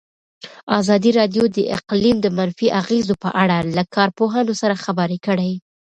ازادي راډیو د اقلیم د منفي اغېزو په اړه له کارپوهانو سره خبرې کړي.